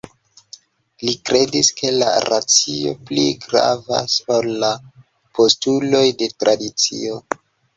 Li kredis ke la racio pli gravas ol la postuloj de tradicio.